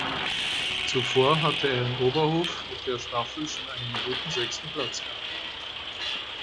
Zuvor hatte er in Oberhof mit der Staffel schon einen guten sechsten Platz erreicht.